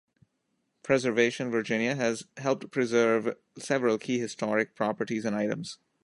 Preservation Virginia has helped preserve several key historic properties and items.